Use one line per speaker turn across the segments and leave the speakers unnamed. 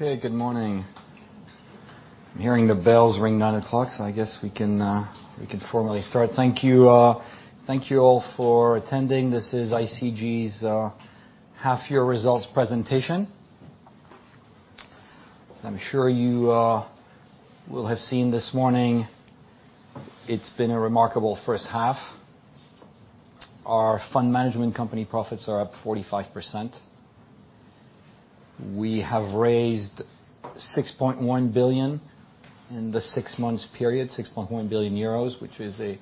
Okay, good morning. I'm hearing the bells ring 9:00, so I guess we can formally start. Thank you all for attending. This is ICG's Half Year Results Presentation. As I'm sure you will have seen this morning, it has been a remarkable first half. Our Fund Management Company profits are up 45%. We have raised 6.1 billion in the six months period, 6.1 billion euros, which is a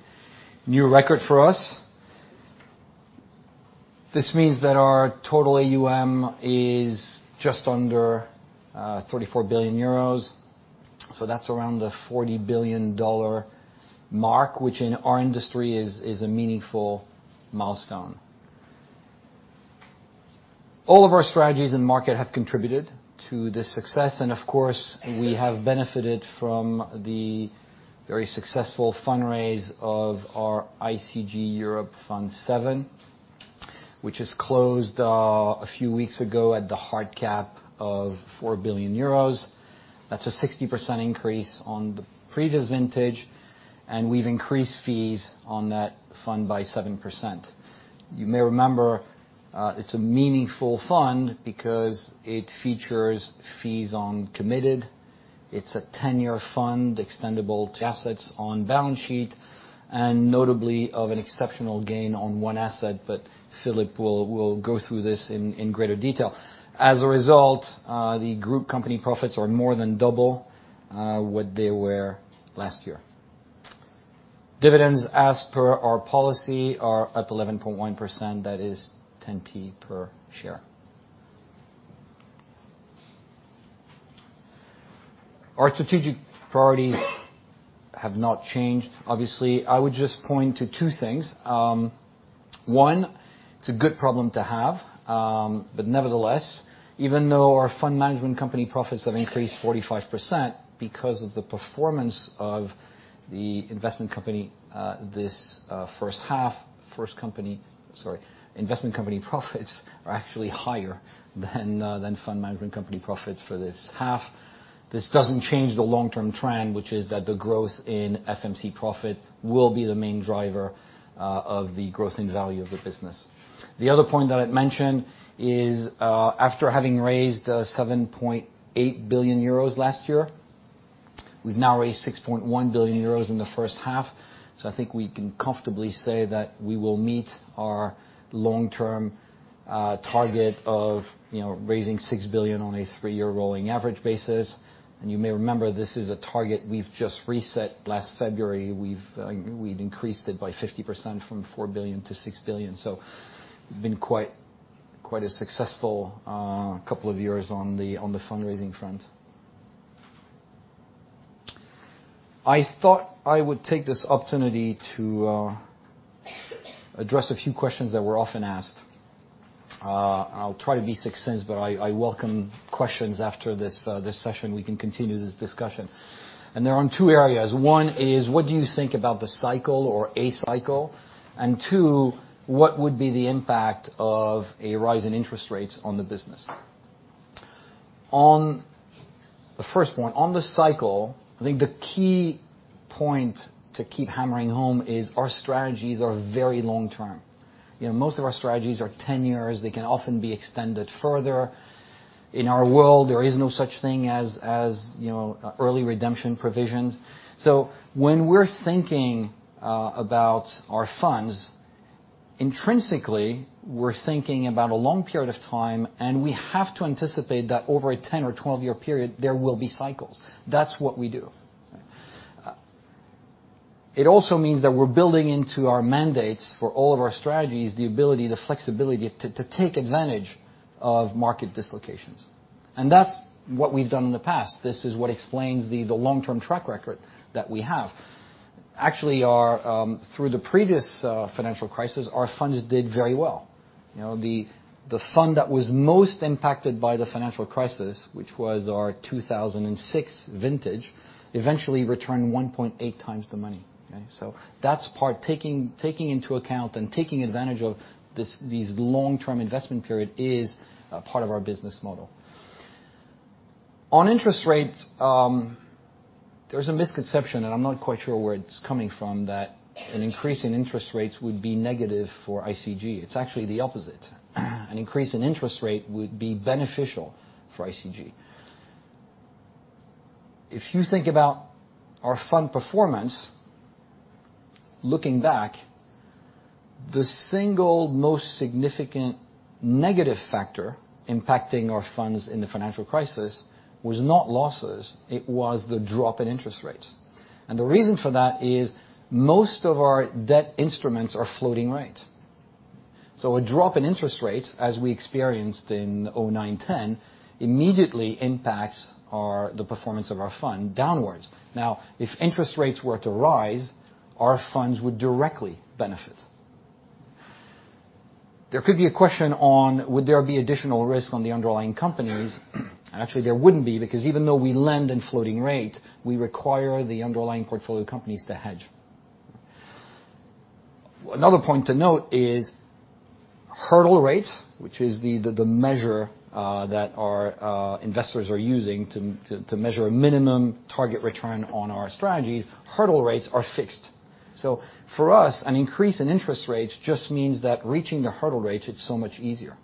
new record for us. This means that our total AUM is just under 34 billion euros. That is around the $40 billion mark, which in our industry is a meaningful milestone. All of our strategies in market have contributed to this success. Of course, we have benefited from the very successful fundraise of our ICG Europe Fund VII, which has closed a few weeks ago at the hard cap of 4 billion euros. That is a 60% increase on the previous vintage, and we have increased fees on that fund by 7%. You may remember, it is a meaningful fund because it features fees on committed. It is a 10-year fund extendable to assets on balance sheet, and notably of an exceptional gain on one asset, but Philip will go through this in greater detail. As a result, the group company profits are more than double what they were last year. Dividends as per our policy are up 11.1%. That is 0.10 per share. Our strategic priorities have not changed. Obviously, I would just point to two things. One, it is a good problem to have, but nevertheless, even though our Fund Management Company profits have increased 45% because of the performance of the Investment Company this first half, Investment Company profits are actually higher than Fund Management Company profits for this half. This doesn't change the long-term trend, which is that the growth in FMC profit will be the main driver of the growth in value of the business. The other point that I would mention is, after having raised 7.8 billion euros last year, we have now raised 6.1 billion euros in the first half. I think we can comfortably say that we will meet our long-term target of raising 6 billion on a three-year rolling average basis. You may remember this is a target we have just reset last February. We had increased it by 50% from 4 billion to 6 billion. It has been quite a successful couple of years on the fundraising front. I thought I would take this opportunity to address a few questions that we are often asked. I will try to be succinct, but I welcome questions after this session. We can continue this discussion. They are on two areas. One is, what do you think about the cycle or a cycle? Two, what would be the impact of a rise in interest rates on the business? On the first point, on the cycle, I think the key point to keep hammering home is our strategies are very long-term. Most of our strategies are 10 years. They can often be extended further. In our world, there is no such thing as early redemption provisions. When we are thinking about our funds, intrinsically, we are thinking about a long period of time, and we have to anticipate that over a 10 or 12 year period, there will be cycles. That is what we do. It also means that we are building into our mandates for all of our strategies, the ability, the flexibility to take advantage of market dislocations. That is what we have done in the past. This is what explains the long-term track record that we have. Actually, through the previous financial crisis, our funds did very well. The fund that was most impacted by the financial crisis, which was our 2006 vintage, eventually returned 1.8x the money. Okay? That's part taking into account and taking advantage of these long-term investment period is a part of our business model. On interest rates, there's a misconception, and I'm not quite sure where it's coming from, that an increase in interest rates would be negative for ICG. It's actually the opposite. An increase in interest rate would be beneficial for ICG. If you think about our fund performance, looking back, the single most significant negative factor impacting our funds in the financial crisis was not losses, it was the drop in interest rates. The reason for that is most of our debt instruments are floating rate. A drop in interest rates, as we experienced in 2009, 2010, immediately impacts the performance of our fund downwards. Now, if interest rates were to rise, our funds would directly benefit. There could be a question on would there be additional risk on the underlying companies? Actually, there wouldn't be, because even though we lend in floating rates, we require the underlying portfolio companies to hedge. Another point to note is hurdle rates, which is the measure that our investors are using to measure a minimum target return on our strategies. Hurdle rates are fixed. For us, an increase in interest rates just means that reaching the hurdle rate, it's so much easier.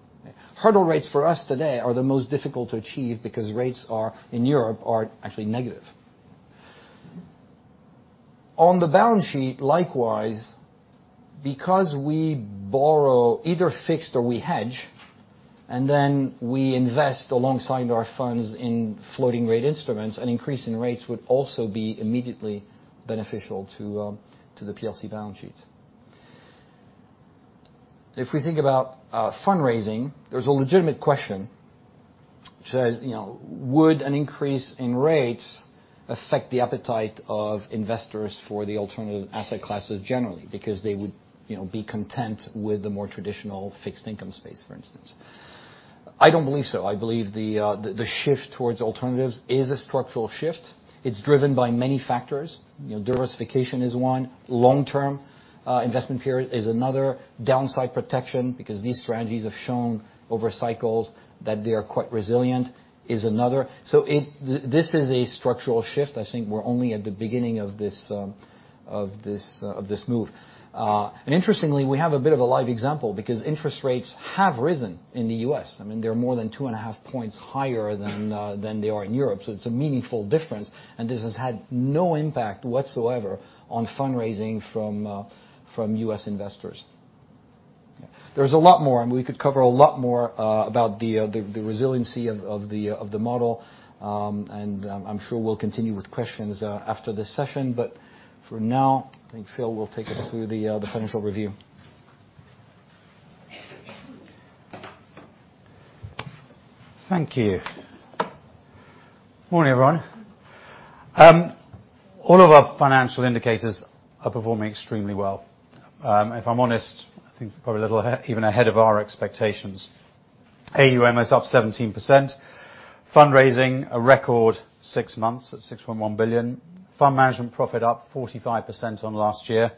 Hurdle rates for us today are the most difficult to achieve because rates in Europe are actually negative. On the balance sheet, likewise, because we borrow either fixed or we hedge, and then we invest alongside our funds in floating rate instruments, an increase in rates would also be immediately beneficial to the PLC balance sheet. If we think about fundraising, there's a legitimate question, which is would an increase in rates affect the appetite of investors for the alternative asset classes generally because they would be content with the more traditional fixed income space, for instance? I don't believe so. I believe the shift towards alternatives is a structural shift. It's driven by many factors. Diversification is one. Long-term investment period is another. Downside protection, because these strategies have shown over cycles that they are quite resilient, is another. This is a structural shift. I think we're only at the beginning of this move. Interestingly, we have a bit of a live example because interest rates have risen in the U.S. I mean, they're more than 2.5 points higher than they are in Europe, it's a meaningful difference, and this has had no impact whatsoever on fundraising from U.S. investors. There's a lot more, and we could cover a lot more about the resiliency of the model. I'm sure we'll continue with questions after this session, but for now, I think Phil will take us through the financial review.
Thank you. Morning, everyone. All of our financial indicators are performing extremely well. If I'm honest, I think probably a little even ahead of our expectations. AUM is up 17%. Fundraising, a record six months at 6.1 billion. Fund management profit up 45% on last year,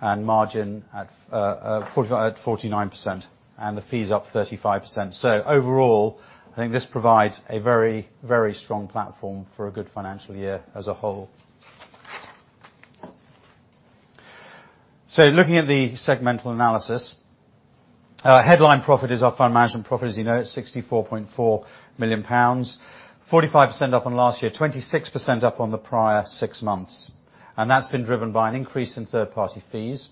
margin at 49%, and the fees up 35%. Overall, I think this provides a very strong platform for a good financial year as a whole. Looking at the segmental analysis, headline profit is our fund management profit, as you know, at 64.4 million pounds. 45% up on last year, 26% up on the prior six months. That's been driven by an increase in third-party fees,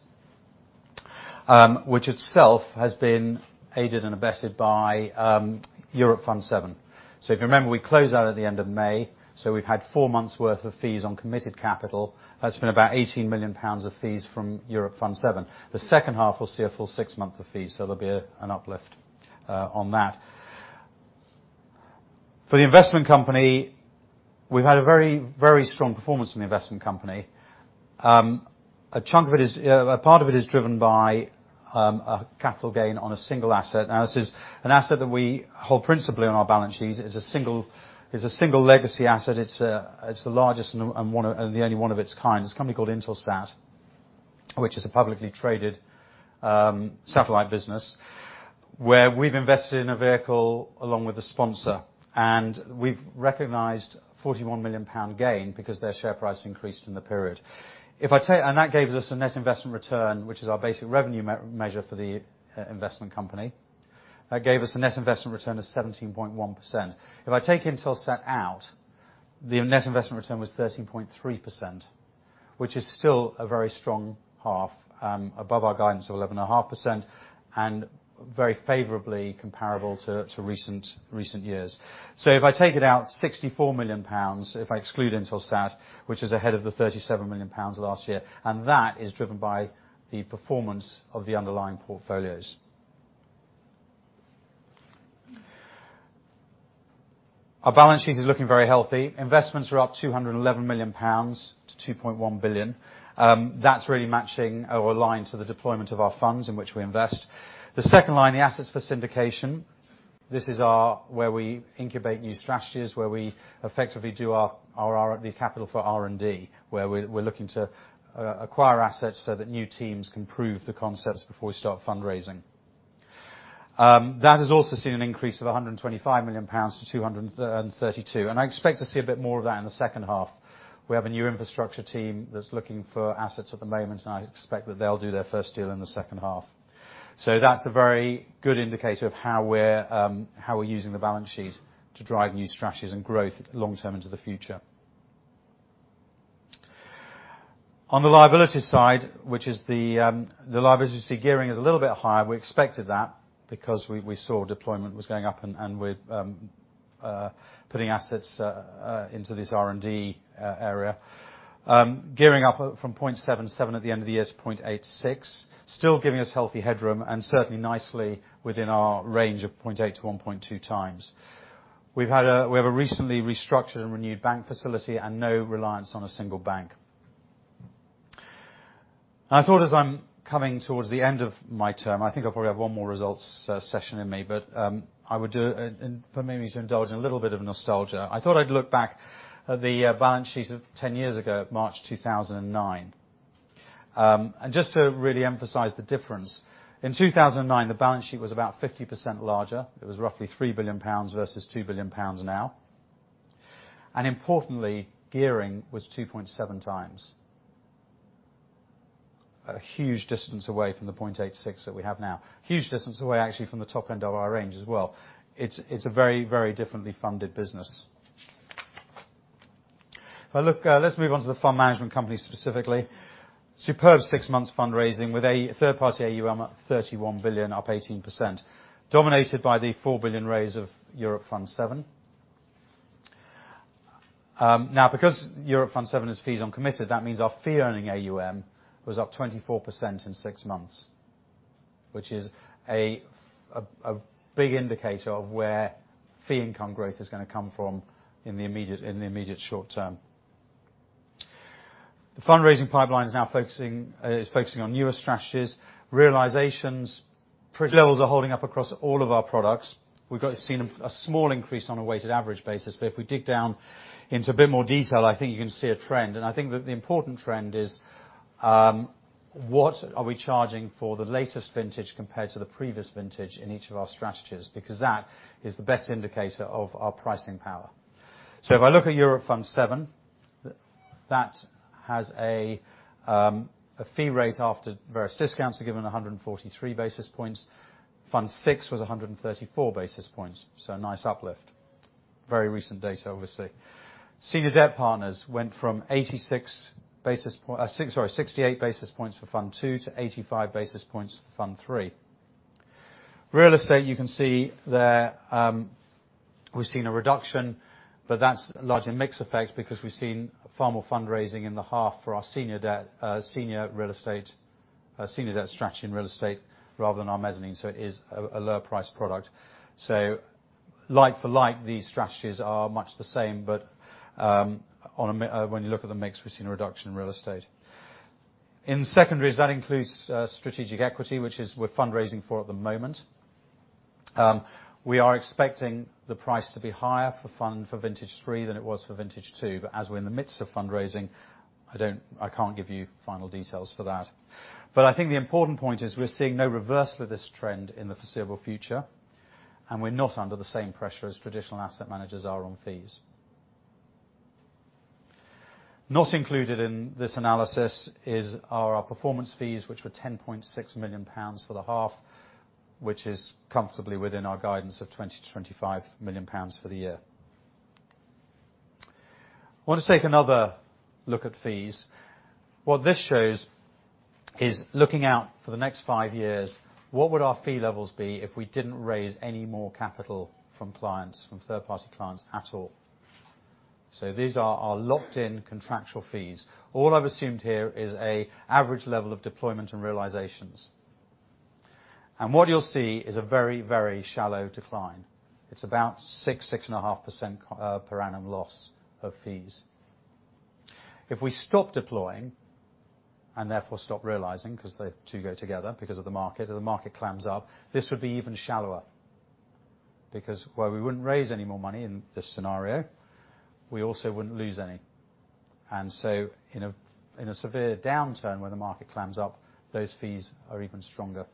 which itself has been aided and abetted by Europe Fund VII. If you remember, we closed that at the end of May, so we've had four months worth of fees on committed capital. That's been about 18 million pounds of fees from Europe Fund VII. The second half, we'll see a full six months of fees, so there'll be an uplift on that. For the Investment Company, we've had a very strong performance from the Investment Company. A part of it is driven by a capital gain on a single asset. Now, this is an asset that we hold principally on our balance sheet. It's a single legacy asset. It's the largest and the only one of its kind. It's a company called Intelsat, which is a publicly traded satellite business, where we've invested in a vehicle along with a sponsor. We've recognized 41 million pound gain because their share price increased in the period. That gave us a net investment return, which is our basic revenue measure for the Investment Company. That gave us a net investment return of 17.1%. If I take Intelsat out, the net investment return was 13.3%, which is still a very strong half, above our guidance of 11.5%, and very favorably comparable to recent years. If I take it out, 64 million pounds, if I exclude Intelsat, which is ahead of the 37 million pounds last year, and that is driven by the performance of the underlying portfolios. Our balance sheet is looking very healthy. Investments are up 211 million pounds to 2.1 billion. That's really matching or aligned to the deployment of our funds in which we invest. The second line, the assets for syndication. This is where we incubate new strategies, where we effectively do the capital for R&D, where we're looking to acquire assets so that new teams can prove the concepts before we start fundraising. That has also seen an increase of 125 million pounds to 232 million. I expect to see a bit more of that in the second half. We have a new infrastructure team that's looking for assets at the moment, and I expect that they'll do their first deal in the second half. That's a very good indicator of how we're using the balance sheet to drive new strategies and growth long-term into the future. On the liability side, you see gearing is a little bit higher. We expected that because we saw deployment was going up and we're putting assets into this R&D area. Gearing up from 0.77 at the end of the year to 0.86, still giving us healthy headroom and certainly nicely within our range of 0.8x to 1.2x. We have a recently restructured and renewed bank facility and no reliance on a single bank. I thought as I'm coming towards the end of my term, I think I'll probably have one more results session in me, but for me to indulge in a little bit of nostalgia, I thought I'd look back at the balance sheet of 10 years ago, March 2009. Just to really emphasize the difference, in 2009, the balance sheet was about 50% larger. It was roughly 3 billion pounds versus 2 billion now. Importantly, gearing was 2.7x. A huge distance away from the 0.86 that we have now. Huge distance away, actually, from the top end of our range as well. It's a very differently funded business. Let's move on to the Fund Management Company specifically. Superb six months fundraising with a third-party AUM at 31 billion, up 18%, dominated by the 4 billion raise of Europe Fund VII. Because Europe Fund VII is fees on committed, that means our fee-earning AUM was up 24% in six months, which is a big indicator of where fee income growth is going to come from in the immediate short-term. The fundraising pipeline is now focusing on newer strategies. Realizations. Price levels are holding up across all of our products. We've seen a small increase on a weighted average basis, but if we dig down into a bit more detail, I think you can see a trend. I think that the important trend is, what are we charging for the latest vintage compared to the previous vintage in each of our strategies? Because that is the best indicator of our pricing power. If I look at Europe Fund VII, that has a fee rate after various discounts are given, 143 basis points. Fund VI was 134 basis points, a nice uplift. Very recent data, obviously. Senior Debt Partners went from 68 basis points for Fund II to 85 basis points for Fund III. Real estate, you can see there, we've seen a reduction, but that's largely a mix effect because we've seen far more fundraising in the half for our senior debt strategy in real estate rather than our mezzanine. It is a lower price product. Like for like, these strategies are much the same, but when you look at the mix, we've seen a reduction in real estate. In secondaries, that includes Strategic Equity, which we're fundraising for at the moment. We are expecting the price to be higher for vintage three than it was for vintage two, but as we're in the midst of fundraising, I can't give you final details for that. I think the important point is we're seeing no reversal of this trend in the foreseeable future, and we're not under the same pressure as traditional asset managers are on fees. Not included in this analysis are our performance fees, which were 10.6 million pounds for the half, which is comfortably within our guidance of 20 million to 25 million for the year. Want to take another look at fees. What this shows is looking out for the next five years, what would our fee levels be if we didn't raise any more capital from third-party clients at all? These are our locked-in contractual fees. All I've assumed here is an average level of deployment and realizations. What you'll see is a very shallow decline. It's about 6%-6.5% per annum loss of fees. If we stop deploying and therefore stop realizing, because the two go together because of the market, or the market clams up, this would be even shallower. While we wouldn't raise any more money in this scenario, we also wouldn't lose any. In a severe downturn where the market clams up, those fees are even stronger.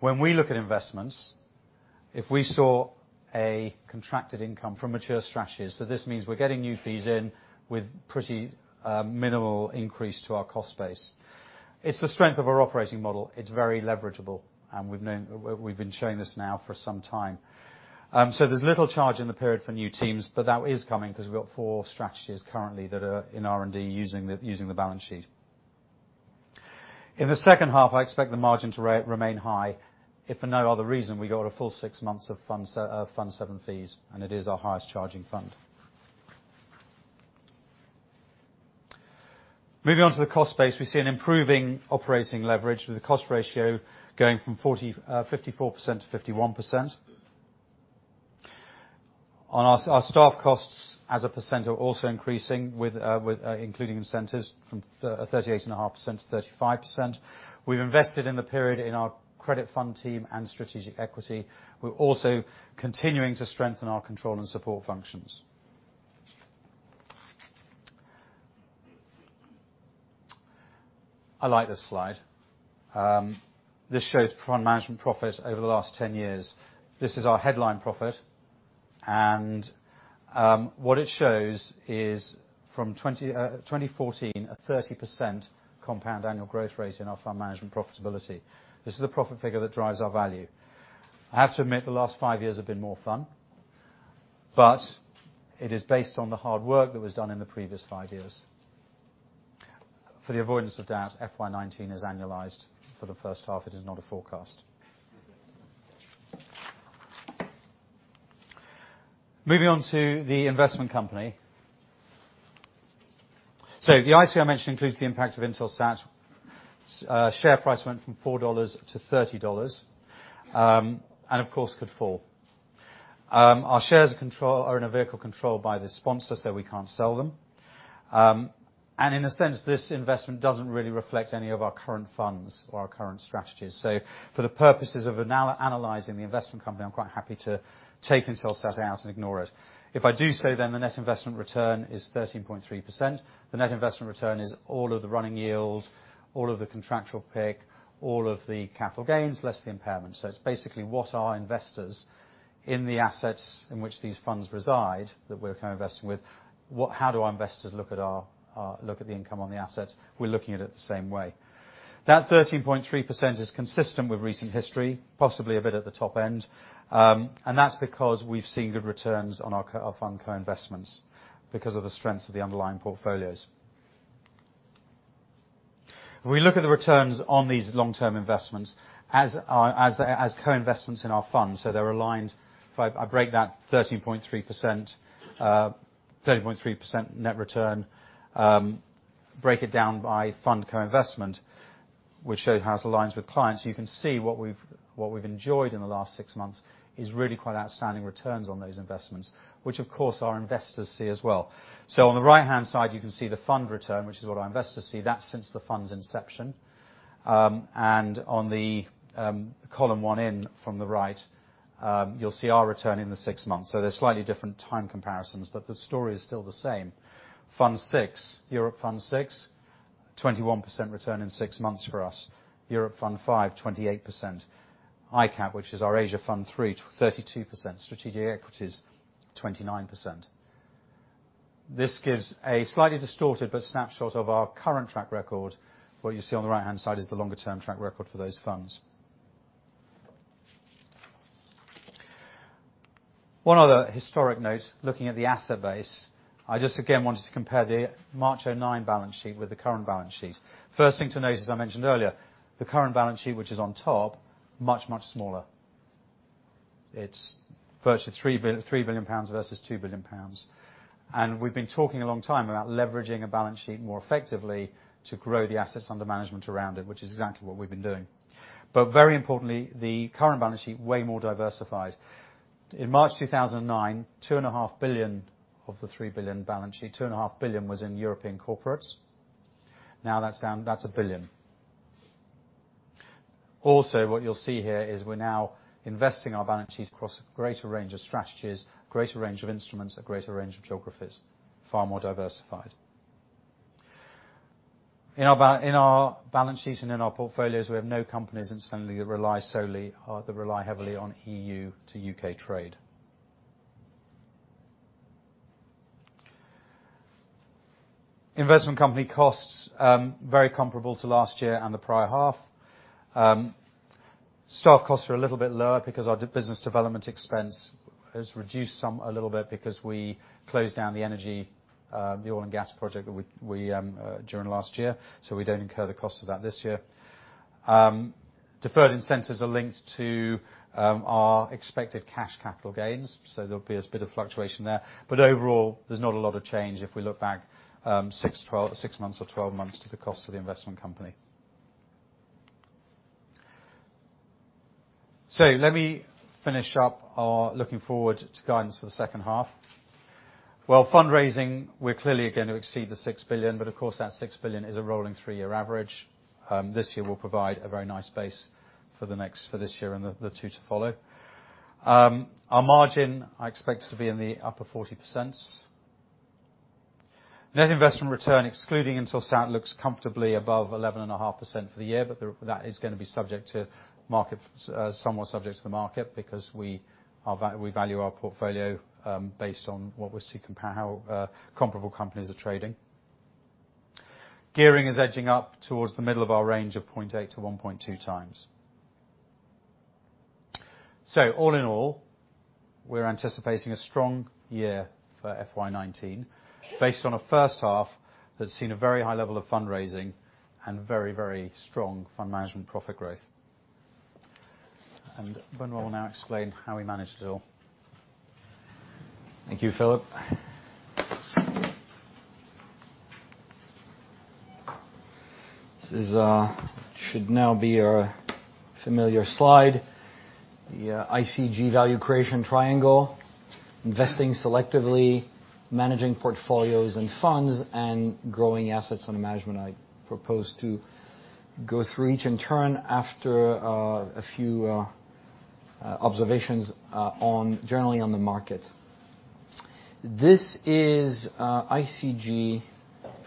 When we look at investments, if we saw a contracted income from mature strategies, this means we're getting new fees in with pretty minimal increase to our cost base. It's the strength of our operating model. It's very leverageable, and we've been showing this now for some time. There's little charge in the period for new teams, but that is coming because we've got four strategies currently that are in R&D using the balance sheet. In the second half, I expect the margin to remain high. If for no other reason, we got a full six months of Fund VII fees, and it is our highest charging fund. Moving on to the cost base. We see an improving operating leverage with the cost ratio going from 54% to 51%. Our staff costs as a % are also increasing including incentives from 38.5% to 35%. We've invested in the period in our credit fund team and Strategic Equity. We're also continuing to strengthen our control and support functions. I like this slide. This shows fund management profit over the last 10 years. This is our headline profit. What it shows is from 2014, a 30% compound annual growth rate in our fund management profitability. This is the profit figure that drives our value. I have to admit, the last five years have been more fun, but it is based on the hard work that was done in the previous five years. For the avoidance of doubt, FY 2019 is annualized for the first half. It is not a forecast. Moving on to the Investment Company. The ICO, I mentioned includes the impact of Intelsat. Share price went from $4 to 30, and of course, could fall. Our shares are in a vehicle controlled by the sponsor, so we can't sell them. In a sense, this investment doesn't really reflect any of our current funds or our current strategies. For the purposes of analyzing the Investment Company, I'm quite happy to take Intelsat out and ignore it. If I do so, the net investment return is 13.3%. The net investment return is all of the running yields, all of the contractual PIK, all of the capital gains, less the impairment. It's basically what our investors, in the assets in which these funds reside, that we're co-investing with, how do our investors look at the income on the assets? We're looking at it the same way. That 13.3% is consistent with recent history, possibly a bit at the top end. That's because we've seen good returns on our fund co-investments because of the strengths of the underlying portfolios. If we look at the returns on these long-term investments as co-investments in our funds, they're aligned. If I break that 13.3% net return, break it down by fund co-investment, which shows how it aligns with clients, you can see what we've enjoyed in the last six months is really quite outstanding returns on those investments, which of course our investors see as well. On the right-hand side, you can see the fund return, which is what our investors see. That's since the fund's inception. On the column one in from the right, you'll see our return in the six months. They're slightly different time comparisons, but the story is still the same. Fund VI, Europe Fund VI, 21% return in six months for us. Europe Fund V, 28%. ICAP, which is our Asia Fund III, 32%. Strategic Equity, 29%. This gives a slightly distorted but snapshot of our current track record. What you see on the right-hand side is the longer-term track record for those funds. One other historic note, looking at the asset base, I just again wanted to compare the March 2009 balance sheet with the current balance sheet. First thing to note, as I mentioned earlier, the current balance sheet, which is on top, much, much smaller. It's virtually 3 billion pounds versus 2 billion. We've been talking a long time about leveraging a balance sheet more effectively to grow the assets under management around it, which is exactly what we've been doing. Very importantly, the current balance sheet, way more diversified. In March 2009, 2.5 billion of the 3 billion balance sheet, 2.5 billion was in European corporates. Now that's 1 billion. What you'll see here is we're now investing our balance sheets across a greater range of strategies, greater range of instruments, a greater range of geographies, far more diversified. In our balance sheets and in our portfolios, we have no companies incidentally that rely solely or that rely heavily on EU to U.K. trade. Investment Company costs, very comparable to last year and the prior half. Staff costs are a little bit lower because our business development expense has reduced a little bit because we closed down the energy, the oil and gas project during last year. We don't incur the cost of that this year. Deferred incentives are linked to our expected cash capital gains, there'll be a bit of fluctuation there. Overall, there's not a lot of change if we look back six months or 12 months to the cost of the Investment Company. Let me finish up our looking forward to guidance for the second half. Fundraising, we're clearly going to exceed the 6 billion, but of course, that 6 billion is a rolling three-year average. This year will provide a very nice base for this year and the two to follow. Our margin, I expect it to be in the upper 40%. Net investment return, excluding Intelsat, looks comfortably above 11.5% for the year, that is going to be somewhat subject to the market because we value our portfolio based on how comparable companies are trading. Gearing is edging up towards the middle of our range of 0.8x-1.2x. All in all, we're anticipating a strong year for FY 2019 based on a first half that's seen a very high level of fundraising and very, very strong fund management profit growth. Benoît will now explain how we managed it all.
Thank you, Philip. This should now be a familiar slide. The ICG Value Creation Triangle, investing selectively, managing portfolios and funds, and growing assets under management. I propose to go through each in turn after a few observations generally on the market. This is ICG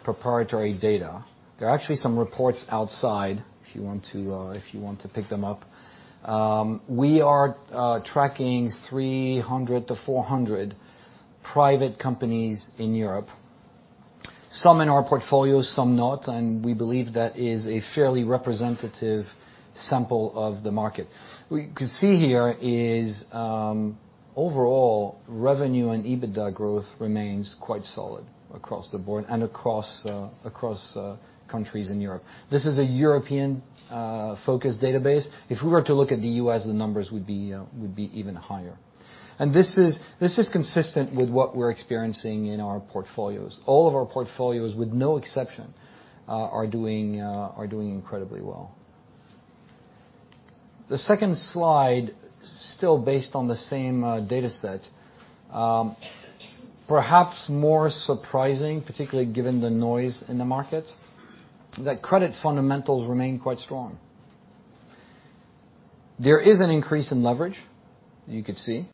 proprietary data. There are actually some reports outside if you want to pick them up. We are tracking 300 to 400 private companies in Europe. Some in our portfolio, some not, and we believe that is a fairly representative sample of the market. What you can see here is overall revenue and EBITDA growth remains quite solid across the board and across countries in Europe. This is a European-focused database. If we were to look at the U.S., the numbers would be even higher. This is consistent with what we're experiencing in our portfolios. All of our portfolios, with no exception, are doing incredibly well. The second slide, still based on the same data set. Perhaps more surprising, particularly given the noise in the market, that credit fundamentals remain quite strong. There is an increase in leverage, you could see.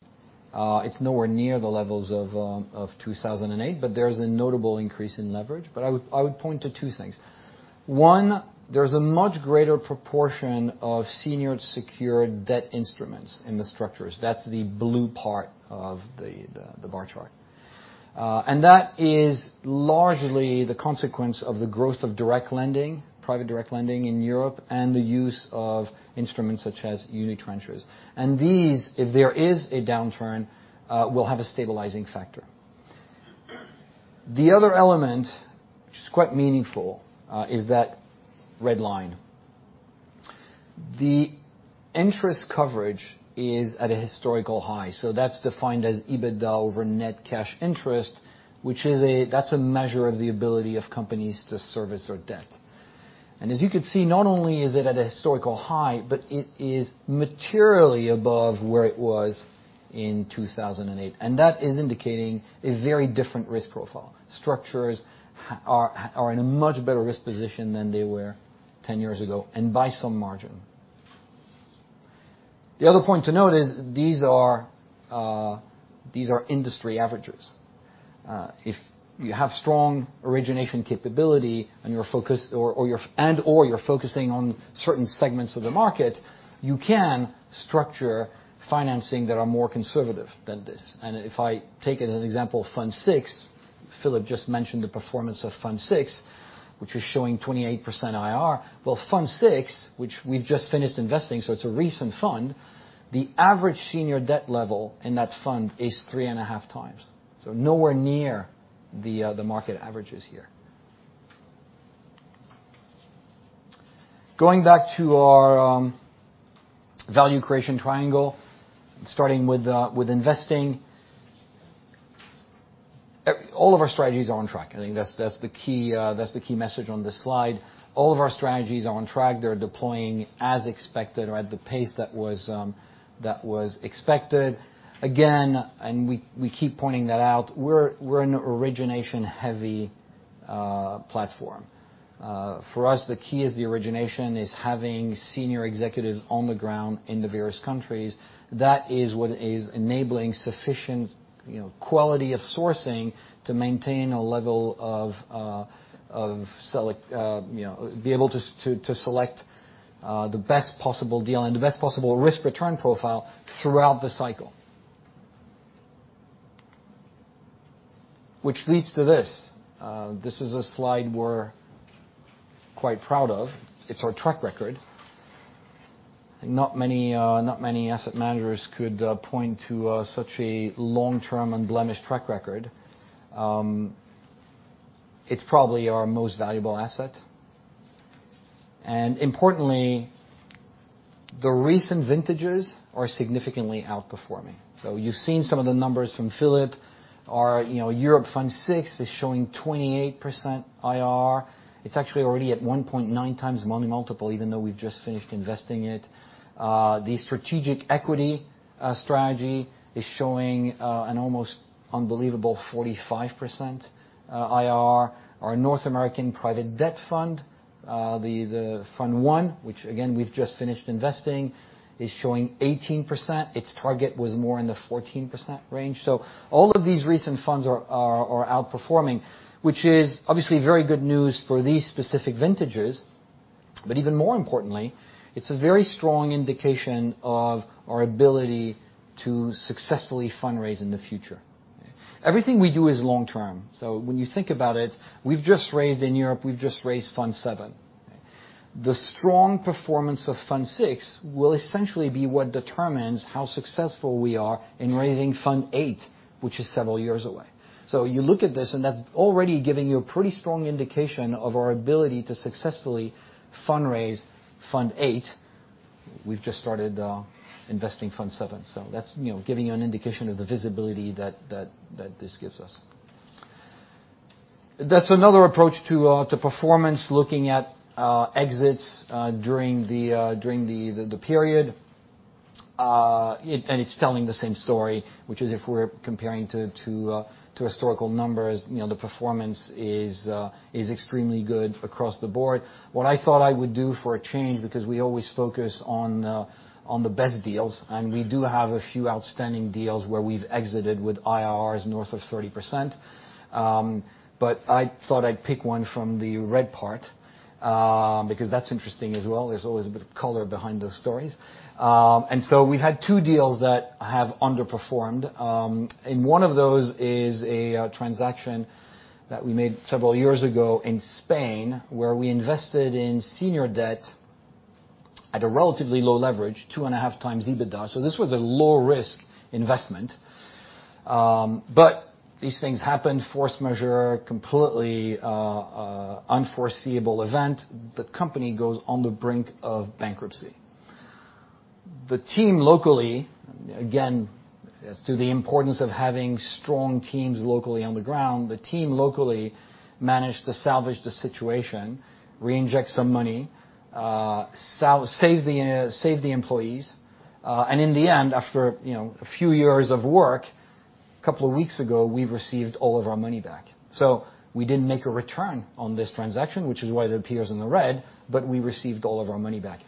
It's nowhere near the levels of 2008, but there is a notable increase in leverage. I would point to two things. One, there's a much greater proportion of senior secured debt instruments in the structures. That's the blue part of the bar chart. That is largely the consequence of the growth of private direct lending in Europe and the use of instruments such as unitranches. These, if there is a downturn, will have a stabilizing factor. The other element, which is quite meaningful, is that red line. The interest coverage is at a historical high. That's defined as EBITDA over net cash interest, which that's a measure of the ability of companies to service their debt. As you could see, not only is it at a historical high, but it is materially above where it was in 2008, and that is indicating a very different risk profile. Structures are in a much better risk position than they were 10 years ago, and by some margin. The other point to note is these are industry averages. If you have strong origination capability and/or you're focusing on certain segments of the market, you can structure financing that are more conservative than this. If I take, as an example, Fund VI, Philip just mentioned the performance of Fund VI, which is showing 28% IRR. Well, Fund VI, which we've just finished investing, so it's a recent fund, the average senior debt level in that fund is 3.5x. Nowhere near the market averages here. Going back to our value creation triangle, starting with investing. All of our strategies are on track. I think that's the key message on this slide. All of our strategies are on track. They're deploying as expected or at the pace that was expected. We keep pointing that out, we're an origination-heavy platform. For us, the key is the origination, is having Senior Executives on the ground in the various countries. That is what is enabling sufficient quality of sourcing to maintain a level to be able to select the best possible deal and the best possible risk-return profile throughout the cycle. Which leads to this. This is a slide we're quite proud of. It's our track record. Not many asset managers could point to such a long-term, unblemished track record. It's probably our most valuable asset. Importantly, the recent vintages are significantly outperforming. You've seen some of the numbers from Philip. Our Europe Fund VI is showing 28% IRR. It's actually already at 1.9x money multiple, even though we've just finished investing it. The Strategic Equity strategy is showing an almost unbelievable 45% IRR. Our North American Private Debt Fund, the Fund I, which again, we've just finished investing, is showing 18%. Its target was more in the 14% range. All of these recent funds are outperforming, which is obviously very good news for these specific vintages. Even more importantly, it's a very strong indication of our ability to successfully fundraise in the future. Everything we do is long term. When you think about it, in Europe, we've just raised Fund VII. The strong performance of Fund VI will essentially be what determines how successful we are in raising Fund VIII, which is several years away. You look at this and that's already giving you a pretty strong indication of our ability to successfully fundraise Fund VIII. We've just started investing Fund VII. That's giving you an indication of the visibility that this gives us. That's another approach to performance, looking at exits during the period. It's telling the same story, which is if we're comparing to historical numbers, the performance is extremely good across the board. What I thought I would do for a change, because we always focus on the best deals, and we do have a few outstanding deals where we've exited with IRRs north of 30%. I thought I'd pick one from the red part, because that's interesting as well. There's always a bit of color behind those stories. We've had two deals that have underperformed. One of those is a transaction that we made several years ago in Spain, where we invested in senior debt at a relatively low leverage, 2.5x EBITDA. This was a low-risk investment. These things happen, force majeure, completely unforeseeable event. The company goes on the brink of bankruptcy. The team locally, again, as to the importance of having strong teams locally on the ground, the team locally managed to salvage the situation, reinject some money, save the employees, and in the end, after a few years of work, a couple of weeks ago, we received all of our money back. We didn't make a return on this transaction, which is why it appears in the red, but we received all of our money back.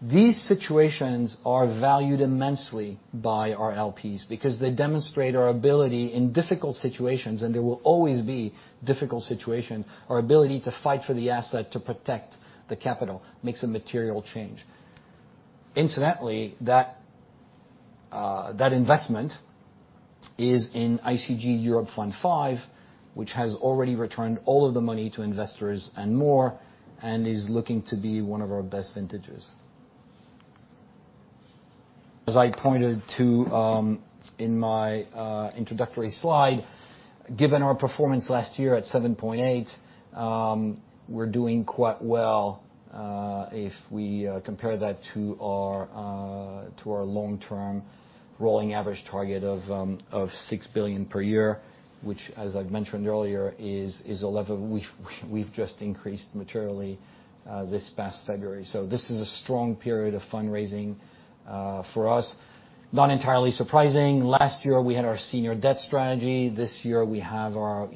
These situations are valued immensely by our LPs because they demonstrate our ability in difficult situations, and there will always be difficult situations. Our ability to fight for the asset to protect the capital makes a material change. Incidentally, that investment is in ICG Europe Fund V, which has already returned all of the money to investors and more and is looking to be one of our best vintages. As I pointed to in my introductory slide, given our performance last year at 7.8%, we're doing quite well if we compare that to our long-term rolling average target of 6 billion per year, which as I've mentioned earlier, we've just increased materially this past February. This is a strong period of fundraising for us. Not entirely surprising. Last year, we had our senior debt strategy. This year, we have our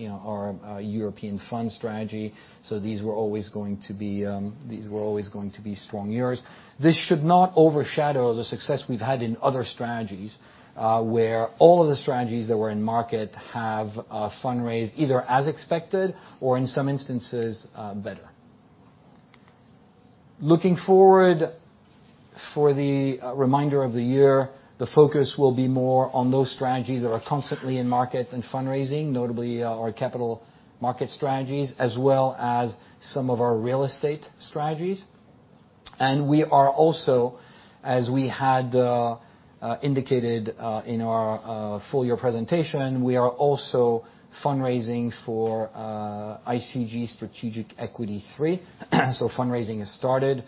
European fund strategy. These were always going to be strong years. This should not overshadow the success we've had in other strategies, where all of the strategies that were in market have fundraised either as expected or in some instances, better. Looking forward for the remainder of the year, the focus will be more on those strategies that are constantly in market and fundraising, notably our capital market strategies, as well as some of our real estate strategies. We are also, as we had indicated in our full-year presentation, we are also fundraising for ICG Strategic Equity III. Fundraising has started.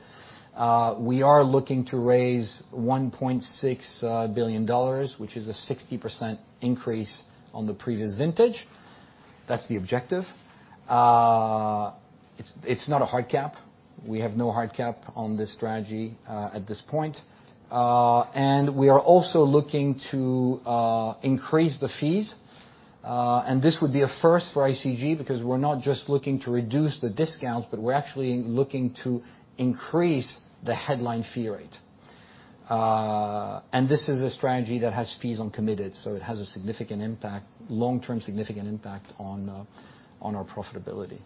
We are looking to raise $1.6 billion, which is a 60% increase on the previous vintage. That's the objective. It's not a hard cap. We have no hard cap on this strategy at this point. We are also looking to increase the fees. This would be a first for ICG because we're not just looking to reduce the discounts, but we're actually looking to increase the headline fee rate. This is a strategy that has fees on committed, so it has a long-term significant impact on our profitability.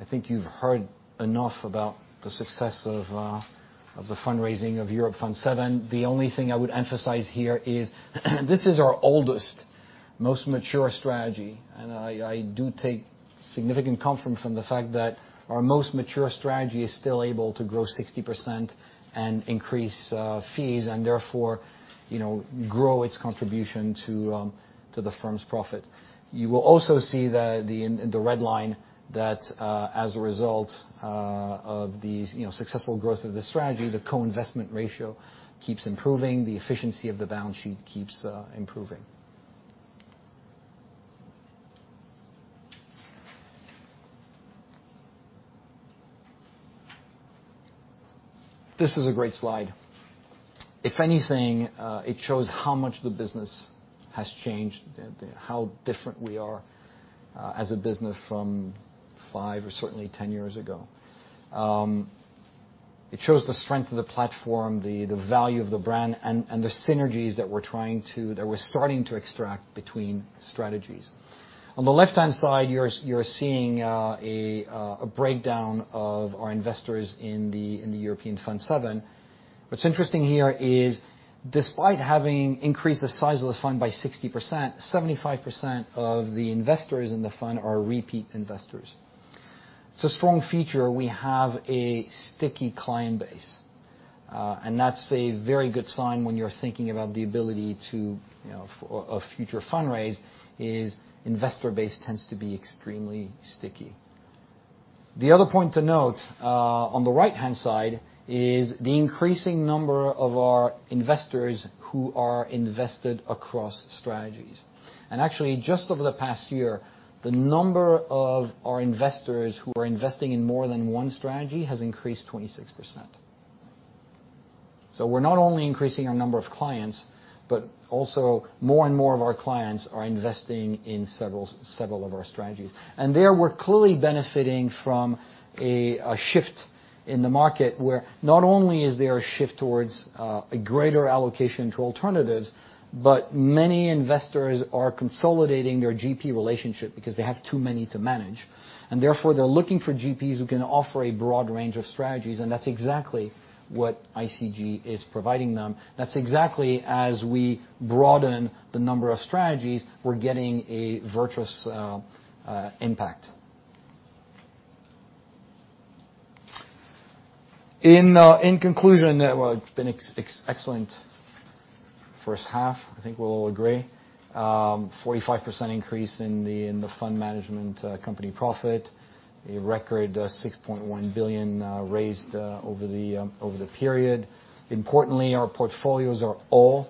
I think you've heard enough about the success of the fundraising of Europe Fund VII. The only thing I would emphasize here is this is our oldest, most mature strategy. I do take significant comfort from the fact that our most mature strategy is still able to grow 60% and increase fees and therefore, grow its contribution to the firm's profit. You will also see that in the red line that as a result of the successful growth of the strategy, the co-investment ratio keeps improving, the efficiency of the balance sheet keeps improving. This is a great slide. If anything, it shows how much the business has changed, how different we are as a business from five or certainly 10 years ago. It shows the strength of the platform, the value of the brand, and the synergies that we're starting to extract between strategies. On the left-hand side, you're seeing a breakdown of our investors in the European Fund VII. What's interesting here is despite having increased the size of the fund by 60%, 75% of the investors in the fund are repeat investors. It's a strong feature. We have a sticky client base. That's a very good sign when you're thinking about the ability of future fundraise is investor base tends to be extremely sticky. The other point to note on the right-hand side is the increasing number of our investors who are invested across strategies. Actually just over the past year, the number of our investors who are investing in more than one strategy has increased 26%. We're not only increasing our number of clients, but also more and more of our clients are investing in several of our strategies. There we're clearly benefiting from a shift in the market where not only is there a shift towards a greater allocation to alternatives, but many investors are consolidating their GP relationship because they have too many to manage, and therefore they're looking for GPs who can offer a broad range of strategies, and that's exactly what ICG is providing them. That's exactly as we broaden the number of strategies, we're getting a virtuous impact. In conclusion, well, it's been excellent first half, I think we'll all agree. 45% increase in the Fund Management Company profit. A record 6.1 billion raised over the period. Importantly, our portfolios are all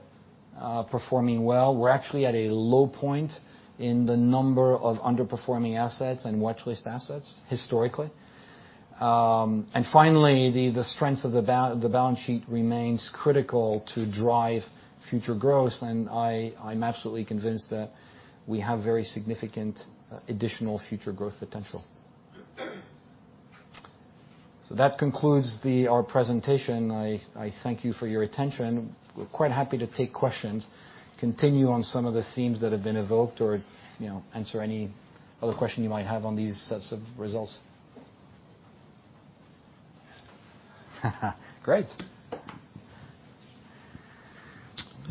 performing well. We're actually at a low point in the number of underperforming assets and watchlist assets historically. Finally, the strength of the balance sheet remains critical to drive future growth, and I'm absolutely convinced that we have very significant additional future growth potential. That concludes our presentation. I thank you for your attention. We're quite happy to take questions, continue on some of the themes that have been evoked or answer any other question you might have on these sets of results. Great.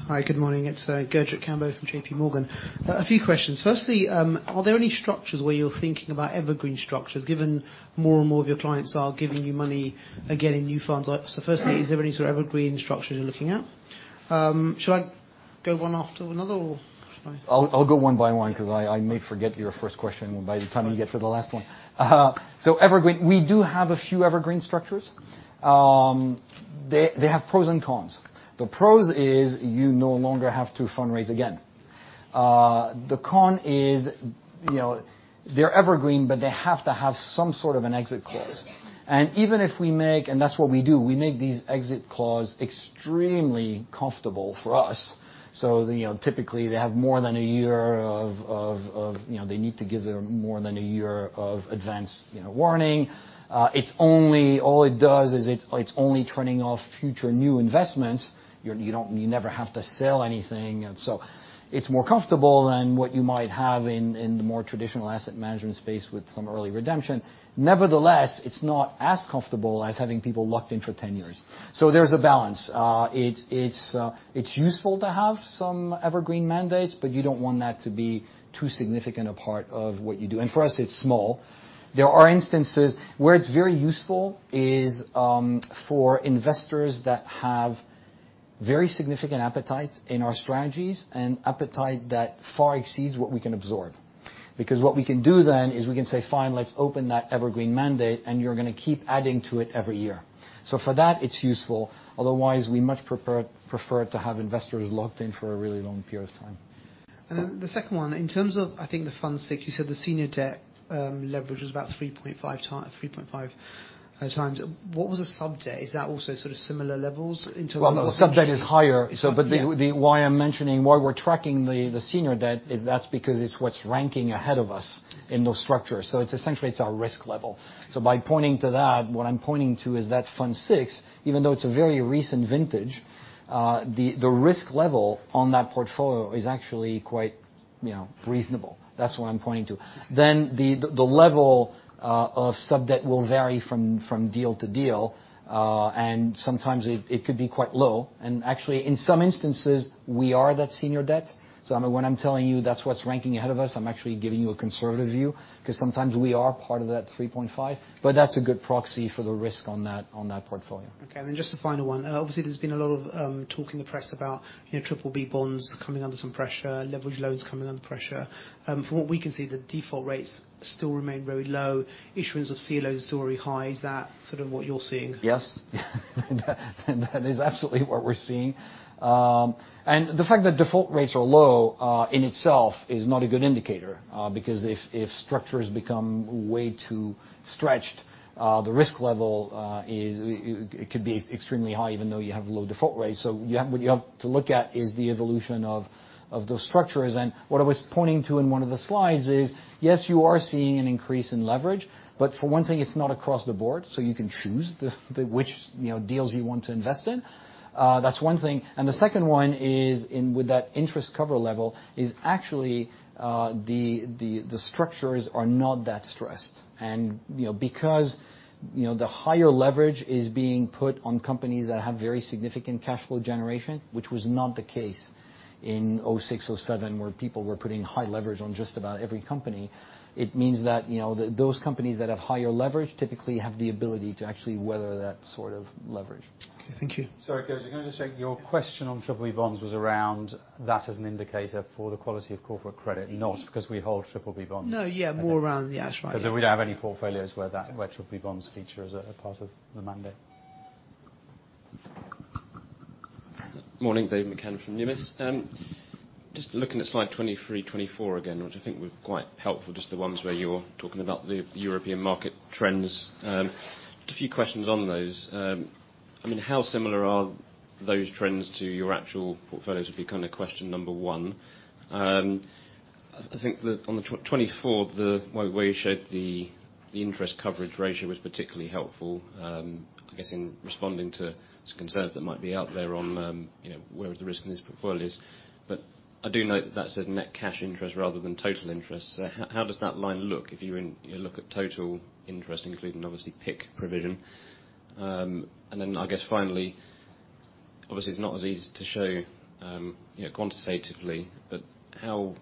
Hi, good morning. It's Gurjit Kambo from JPMorgan. A few questions. Firstly, are there any structures where you're thinking about evergreen structures, given more and more of your clients are giving you money and getting new funds? Firstly, is there any sort of evergreen structures you're looking at? Should I go one after another or should I.
I'll go one by one because I may forget your first question by the time we get to the last one. Evergreen. We do have a few evergreen structures. They have pros and cons. The pros is you no longer have to fundraise again. The con is, they're evergreen, but they have to have some sort of an exit clause. That's what we do. We make these exit clause extremely comfortable for us. Typically, they need to give more than a year of advance warning. All it does is it's only turning off future new investments. You never have to sell anything. It's more comfortable than what you might have in the more traditional asset management space with some early redemption. Nevertheless, it's not as comfortable as having people locked in for 10 years. There's a balance. It's useful to have some evergreen mandates, but you don't want that to be too significant a part of what you do. For us, it's small. There are instances where it's very useful is for investors that have very significant appetite in our strategies and appetite that far exceeds what we can absorb. What we can do then is we can say, "Fine, let's open that evergreen mandate and you're going to keep adding to it every year." For that, it's useful. Otherwise, we much prefer to have investors locked in for a really long period of time.
The second one, in terms of, I think the Fund VI, you said the senior debt leverage was about 3.5x. What was the sub debt? Is that also sort of similar levels in terms of?
Well, no. Sub debt is higher.
Yeah.
Why I'm mentioning why we're tracking the senior debt, that's because it's what's ranking ahead of us in those structures. Essentially, it's our risk level. By pointing to that, what I'm pointing to is that Fund VI, even though it's a very recent vintage, the risk level on that portfolio is actually quite reasonable. That's what I'm pointing to. The level of sub-debt will vary from deal to deal. Sometimes it could be quite low. Actually, in some instances, we are that senior debt. When I'm telling you that's what's ranking ahead of us, I'm actually giving you a conservative view, because sometimes we are part of that 3.5, but that's a good proxy for the risk on that portfolio.
Just the final one. Obviously, there's been a lot of talk in the press about BBB bonds coming under some pressure, leverage loans coming under pressure. From what we can see, the default rates still remain very low. Issuance of CLOs is still very high. Is that sort of what you're seeing?
Yes. That is absolutely what we're seeing. The fact that default rates are low, in itself, is not a good indicator. If structures become way too stretched, the risk level it could be extremely high, even though you have low default rates. What you have to look at is the evolution of those structures. What I was pointing to in one of the slides is, yes, you are seeing an increase in leverage, but for one thing, it's not across the board, so you can choose which deals you want to invest in. That's one thing. The second one is with that interest cover level, is actually the structures are not that stressed. Because the higher leverage is being put on companies that have very significant cash flow generation, which was not the case in 2006, 2007, where people were putting high leverage on just about every company. It means that those companies that have higher leverage typically have the ability to actually weather that sort of leverage.
Okay. Thank you.
Sorry, Gurjit, can I just check, your question on BBB bonds was around that as an indicator for the quality of corporate credit? Not because we hold BBB bonds.
No, yeah. More around the Yeah, that's right.
Where we don't have any portfolios where BBB bonds feature as a part of the mandate.
Morning. Dave McCann from Numis. Looking at slide 23, 24 again, which I think were quite helpful, the ones where you were talking about the European market trends. A few questions on those. How similar are those trends to your actual portfolios, would be question number one? I think that on the 24, where you showed the interest coverage ratio was particularly helpful, I guess in responding to some concerns that might be out there on where the risk in this portfolio is. I do note that that says net cash interest rather than total interest. How does that line look if you look at total interest, including obviously, PIK provision? Finally. Obviously, it's not as easy to show quantitatively, but how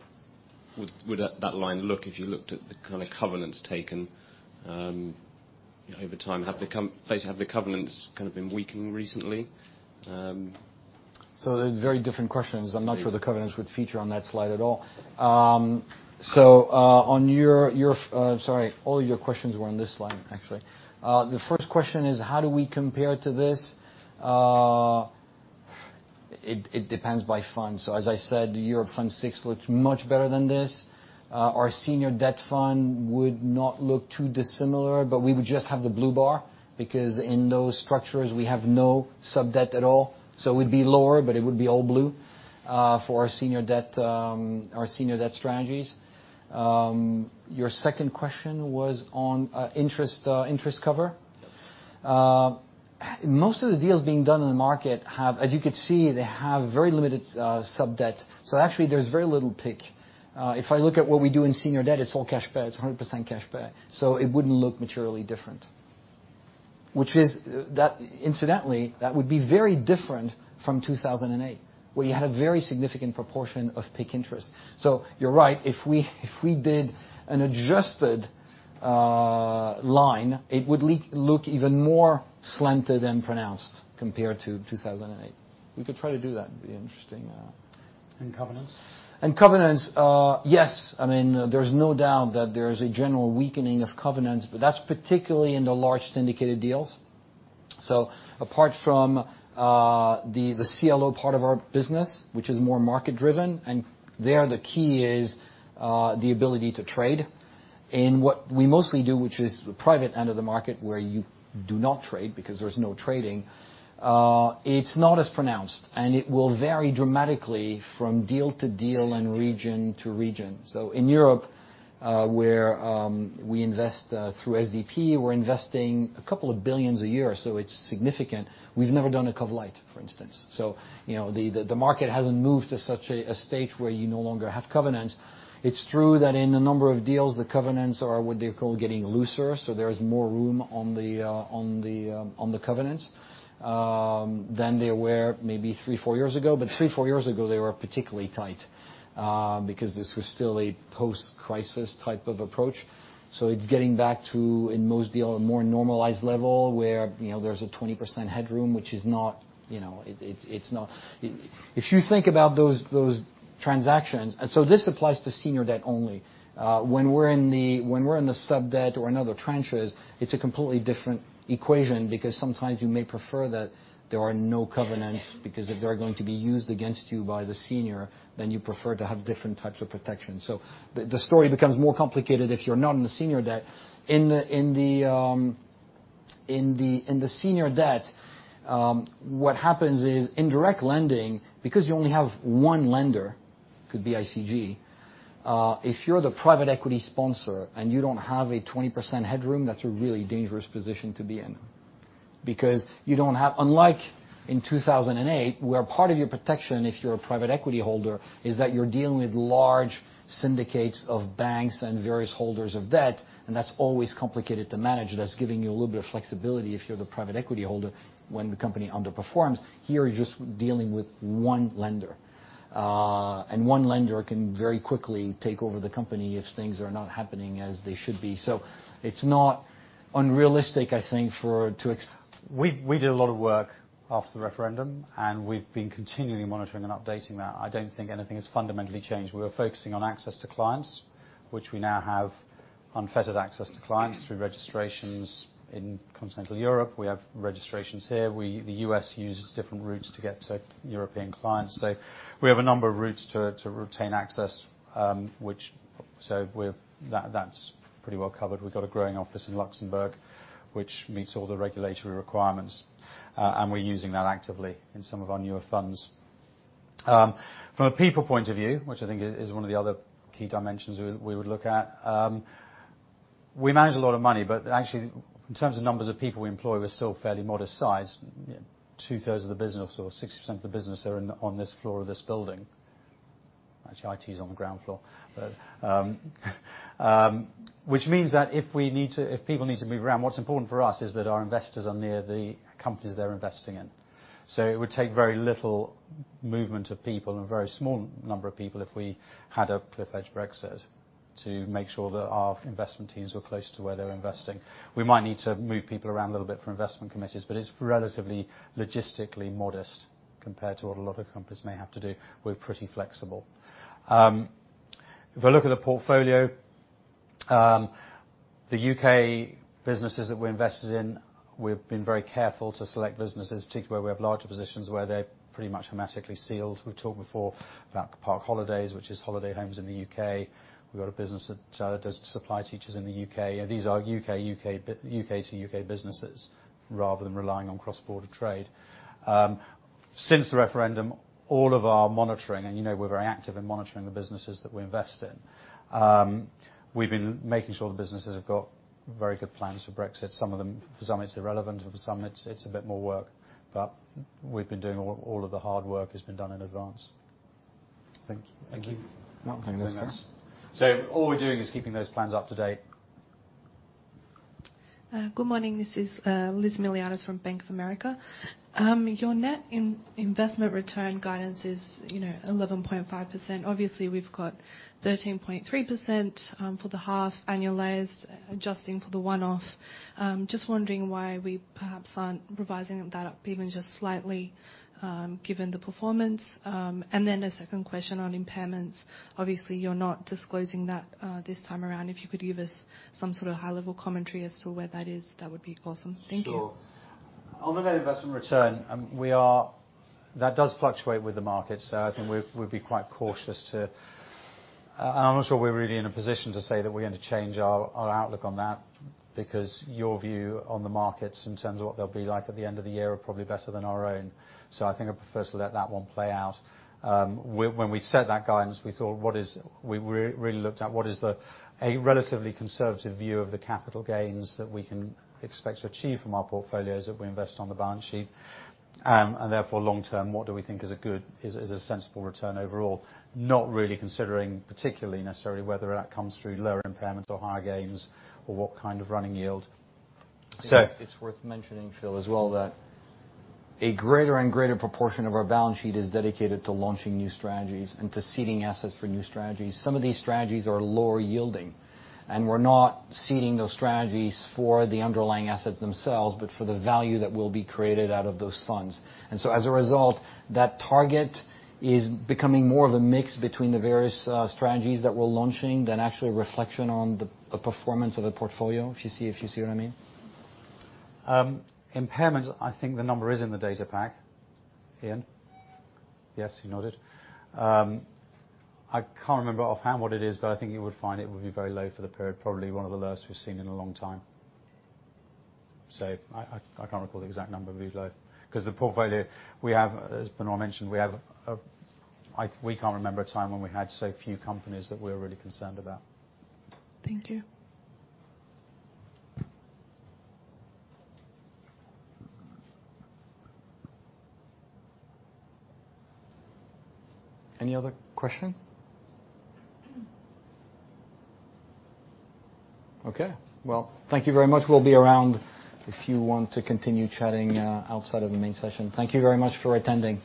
would that line look if you looked at the covenants taken over time? Have the covenants been weakening recently?
They're very different questions. I'm not sure the covenants would feature on that slide at all. Sorry, all your questions were on this slide, actually. The first question is how do we compare to this? It depends by fund. As I said, Europe Fund VI looks much better than this. Our senior debt fund would not look too dissimilar, but we would just have the blue bar, because in those structures, we have no sub-debt at all. It would be lower, but it would be all blue for our senior debt strategies. Your second question was on interest cover.
Yep.
Most of the deals being done in the market have, as you could see, they have very limited sub-debt. Actually, there's very little PIK. If I look at what we do in senior debt, it's all cash pay. It's 100% cash pay. It wouldn't look materially different. Which incidentally, that would be very different from 2008, where you had a very significant proportion of PIK interest. You're right, if we did an adjusted line, it would look even more slanted and pronounced compared to 2008. We could try to do that. It'd be interesting.
Covenants?
Covenants, yes. There's no doubt that there is a general weakening of covenants, but that's particularly in the large syndicated deals. Apart from the CLO part of our business, which is more market driven, and there the key is the ability to trade. What we mostly do, which is the private end of the market where you do not trade because there's no trading, it's not as pronounced, and it will vary dramatically from deal to deal and region to region. In Europe, where we invest through SDP, we're investing a couple of billions a year, so it's significant. We've never done a cov light, for instance. The market hasn't moved to such a stage where you no longer have covenants. It's true that in a number of deals, the covenants are what they call getting looser, there is more room on the covenants than they were maybe three, four years ago. Three, four years ago, they were particularly tight because this was still a post-crisis type of approach. It's getting back to, in most deals, a more normalized level where there's a 20% headroom. If you think about those transactions. This applies to senior debt only. When we're in the sub-debt or in other tranches, it's a completely different equation because sometimes you may prefer that there are no covenants because if they are going to be used against you by the senior, then you prefer to have different types of protection. The story becomes more complicated if you're not in the senior debt. In the senior debt, what happens is in direct lending, because you only have one lender, could be ICG, if you're the private equity sponsor and you don't have a 20% headroom, that's a really dangerous position to be in because unlike in 2008, where part of your protection if you're a private equity holder is that you're dealing with large syndicates of banks and various holders of debt, and that's always complicated to manage, that's giving you a little bit of flexibility if you're the private equity holder when the company underperforms. Here, you're just dealing with one lender. One lender can very quickly take over the company if things are not happening as they should be. It's not unrealistic, I think, for.
We did a lot of work after the referendum, and we've been continually monitoring and updating that. I don't think anything has fundamentally changed. We were focusing on access to clients, which we now have unfettered access to clients through registrations in continental Europe. We have registrations here. The U.S. uses different routes to get to European clients. We have a number of routes to retain access. That's pretty well covered. We've got a growing office in Luxembourg, which meets all the regulatory requirements, and we're using that actively in some of our newer funds. From a people point of view, which I think is one of the other key dimensions we would look at, we manage a lot of money, but actually, in terms of numbers of people we employ, we're still fairly modest size. 2/3 of the business or 60% of the business are on this floor of this building. Actually, IT is on the ground floor. That means that if people need to move around, what's important for us is that our investors are near the companies they're investing in. It would take very little movement of people and a very small number of people if we had a cliff edge Brexit to make sure that our investment teams were close to where they're investing. We might need to move people around a little bit for investment committees, but it's relatively logistically modest compared to what a lot of companies may have to do. We're pretty flexible. If I look at the portfolio, the U.K. businesses that we're invested in, we've been very careful to select businesses, particularly where we have larger positions where they're pretty much hermetically sealed. We talked before about Park Holidays, which is holiday homes in the U.K. We've got a business that supplies teachers in the U.K. These are U.K. to U.K. businesses rather than relying on cross-border trade. Since the referendum, all of our monitoring, and you know we're very active in monitoring the businesses that we invest in, we've been making sure the businesses have got very good plans for Brexit. For some it's irrelevant, and for some it's a bit more work, but we've been doing all of the hard work has been done in advance.
Thank you.
Thank you.
No, thank you very much.
All we're doing is keeping those plans up to date.
Good morning. This is Liz Millard from Bank of America. Your net investment return guidance is 11.5%. Obviously, we've got 13.3% for the half annualized, adjusting for the one-off. Just wondering why we perhaps aren't revising that up even just slightly, given the performance. A second question on impairments. Obviously, you're not disclosing that this time around. If you could give us some sort of high-level commentary as to where that is, that would be awesome. Thank you.
Sure. On the net investment return, that does fluctuate with the market. I think we'd be quite cautious. I'm not sure we're really in a position to say that we're going to change our outlook on that, because your view on the markets in terms of what they'll be like at the end of the year are probably better than our own. I think I'd prefer to let that one play out. When we set that guidance, we really looked at what is a relatively conservative view of the capital gains that we can expect to achieve from our portfolios that we invest on the balance sheet, and therefore long term, what do we think is a sensible return overall. Not really considering particularly necessarily whether that comes through lower impairments or higher gains or what kind of running yield.
It's worth mentioning, Phil, as well, that a greater and greater proportion of our balance sheet is dedicated to launching new strategies and to seeding assets for new strategies. Some of these strategies are lower yielding, and we're not seeding those strategies for the underlying assets themselves, but for the value that will be created out of those funds. As a result, that target is becoming more of a mix between the various strategies that we're launching than actually a reflection on the performance of the portfolio. If you see what I mean.
Impairments, I think the number is in the data pack. Ian? Yes, he nodded. I can't remember offhand what it is, but I think you would find it would be very low for the period, probably one of the lowest we've seen in a long time. I can't recall the exact number, but it'd be low. Because the portfolio we have, as Benoît mentioned, we can't remember a time when we had so few companies that we were really concerned about.
Thank you.
Any other question? Okay. Well, thank you very much. We'll be around if you want to continue chatting outside of the main session. Thank you very much for attending.